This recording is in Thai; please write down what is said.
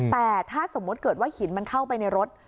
แต่ถ้าสมมุติเกิดว่าหินมันเข้าไปในรถ